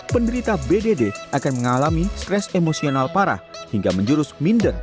penderita bdd akan mengalami stres emosional parah hingga menjurus minder